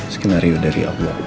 skenario dari allah pak